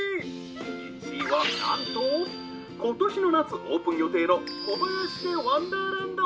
１位は何とことしの夏オープン予定の小林家ワンダーランド。